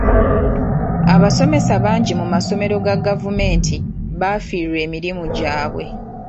Abasomesa bangi mu masomero ga gavumenti baafiirwa emirimu gyabwe.